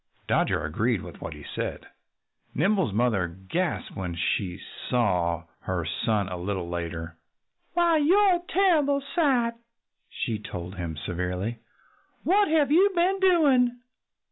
Dodger agreed with what he said. Nimble's mother gasped when she saw her son a little later. "You're a terrible sight!" she told him severely. "What have you been doing?"